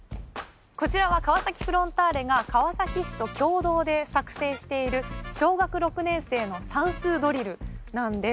こちらは川崎フロンターレが川崎市と共同で作成している小学６年生の算数ドリルなんです。